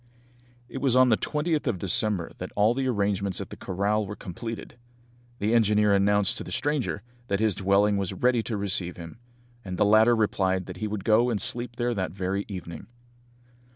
It was on the 20th of December that all the arrangements at the corral were completed. The engineer announced to the stranger that his dwelling was ready to receive him, and the latter replied that he would go and sleep there that very evening.